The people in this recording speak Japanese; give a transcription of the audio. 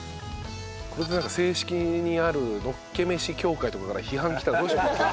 これで正式にあるのっけ飯協会とかから批判来たらどうします？